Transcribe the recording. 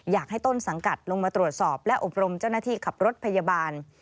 อยากให้ต้นสังกัดลงมาตรวจสอบและอบรมเจ้าหน้าที่ขับรถพยาบาล